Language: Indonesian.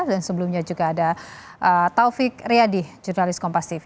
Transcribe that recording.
dan sebelumnya juga ada taufik riyadi jurnalis kompas tv